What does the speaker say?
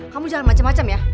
kamu jangan macem macem ya